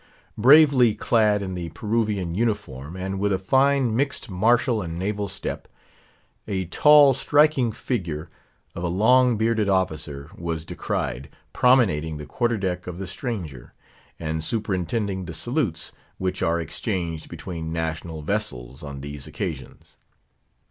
Bravely clad in the Peruvian uniform, and with a fine, mixed martial and naval step, a tall, striking figure of a long bearded officer was descried, promenading the Quarter deck of the stranger; and superintending the salutes, which are exchanged between national vessels on these occasions.